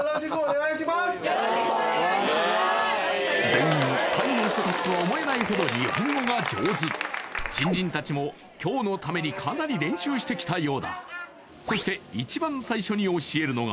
全員タイの人たちとは思えないほど日本語が上手新人たちも今日のためにかなり練習してきたようだ